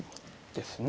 ですね。